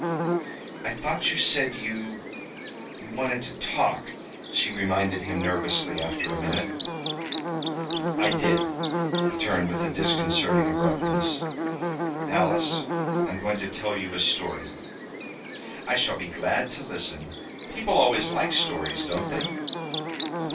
"I thought you said you you wanted to talk, she reminded him nervously, after a minute. "I did." He turned with disconcerting abruptness. "Alice, I'm going to tell you a story." "I shall be glad to listen. People always like stories, don't they?"